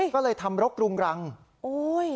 ก็เลยทำรกรุงรังโอ้ย